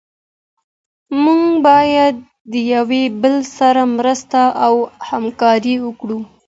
موږ باید د یو بل سره مرسته او همکاري وکړو.